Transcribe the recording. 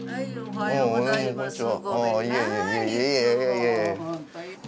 おはようございます。